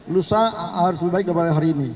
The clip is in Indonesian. lusa harus lebih baik daripada hari ini